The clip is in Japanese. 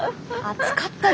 暑かった。